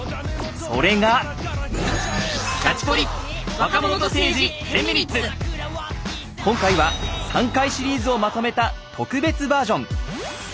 それが今回は３回シリーズをまとめた特別バージョン。